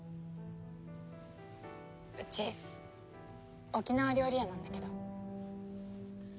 うち沖縄料理屋なんだけど。